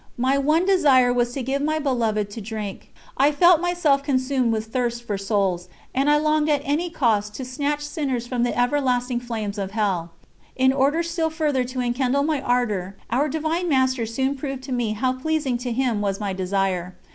My one desire was to give my Beloved to drink; I felt myself consumed with thirst for souls, and I longed at any cost to snatch sinners from the everlasting flames of hell. In order still further to enkindle my ardour, Our Divine Master soon proved to me how pleasing to him was my desire.